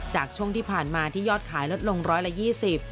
จากช่วงที่ผ่านมาที่ยอดขายลดลง๑๒๐บาท